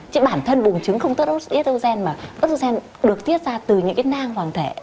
chứ bản thân bùng trứng không tiết ra ớt dô xen mà ớt dô xen được tiết ra từ những cái năng hoàng thể